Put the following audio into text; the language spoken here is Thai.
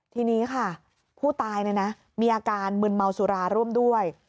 ทีนี้ค่ะผู้ตายมีอาการมึนเมาสุราร่วมด้วย